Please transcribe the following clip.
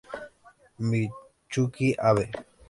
Miyuki Abe